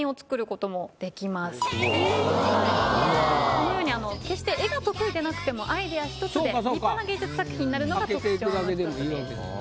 このように決して絵が得意でなくてもアイディア一つで立派な芸術作品になるのが特徴の一つです。